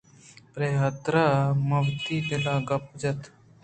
پرے حاترا من وتی دلءِ گپ جت